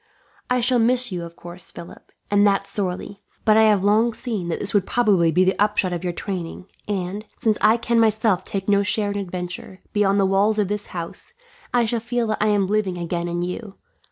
"I shall miss you, of course, Philip, and that sorely; but I have long seen that this would probably be the upshot of your training and, since I can myself take no share in adventure, beyond the walls of this house, I shall feel that I am living again in you.